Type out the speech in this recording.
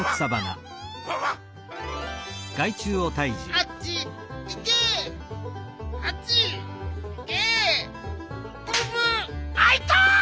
あいたっ！